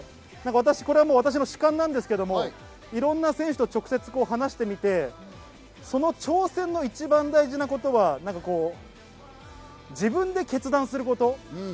私の主観なんですけれど、いろんな選手と直接話してみてその挑戦の一番大事なことは自分で決断すること。